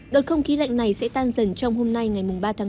đợt không khí lạnh này sẽ tan dần trong hôm nay ngày ba tháng năm